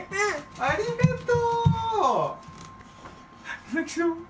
ありがとう。